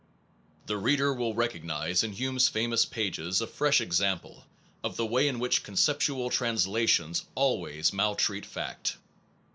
The reader will recognize in Hume s famous pages a fresh example of the way in which con criticism ceptual translations always maltreat fact.